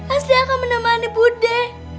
asli akan menemani budi